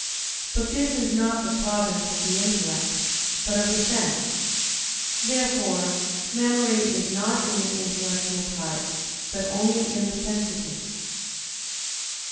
But this is not the province of the intellect, but of the sense. Therefore memory is not in the intellectual part, but only in the sensitive.